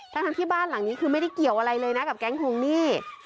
ทั้งที่บ้านหลังนี้คือไม่ได้เกี่ยวอะไรเลยนะกับแก๊งทวงหนี้